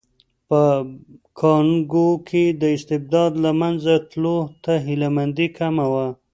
په کانګو کې د استبداد له منځه تلو ته هیله مندي کمه وه.